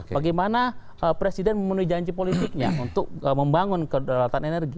bagaimana presiden memenuhi janji politiknya untuk membangun kedaulatan energi